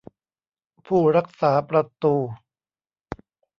ผู้รักษาประตู